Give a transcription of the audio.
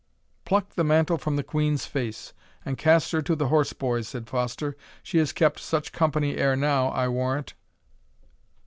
"Pluck the mantle from the quean's face, and cast her to the horse boys," said Foster; "she has kept such company ere now, I warrant."